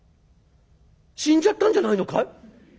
死んじゃったんじゃないのかい？」。